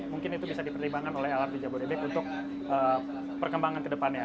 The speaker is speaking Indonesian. jadi mungkin itu bisa dipertimbangkan oleh lrt jabodetabek untuk perkembangan kedepannya